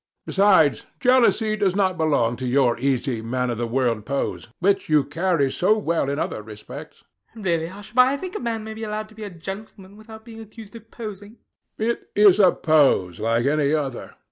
Besides, jealousy does not belong to your easy man of the world pose, which you carry so well in other respects. RANDALL. Really, Hushabye, I think a man may be allowed to be a gentleman without being accused of posing. HECTOR. It is a pose like any other.